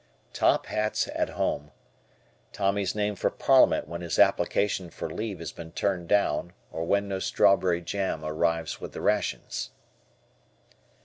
"Top Hats at Home," Tommy's name for Parliament when his application for leave has been turned down or when no strawberry jam arrives with the rations.